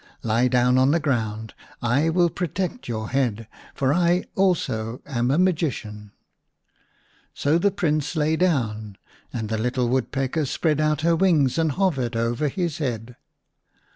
" Lie down on the ground. I will protect your head, for I also am a magician." So the Prince lay down, and the little Wood pecker spread out her wings and hovered over 53 The Rabbit Prince v his head.